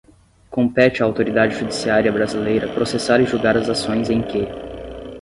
Compete à autoridade judiciária brasileira processar e julgar as ações em que: